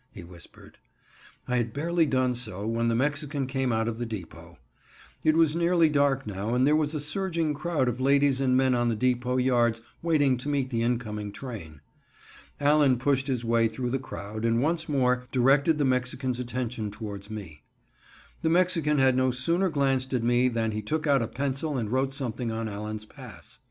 he whispered. I had barely done so when the Mexican came out of the depot. It was nearly dark now and there was a surging crowd of ladies and men on the depot yards waiting to meet the incoming train. Allen pushed his way through the crowd and once more directed the Mexican's attention towards me. The Mexican had no sooner glanced at me than he took out a pencil and wrote something on Allen's pass.